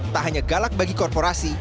tak hanya galak bagi korporasi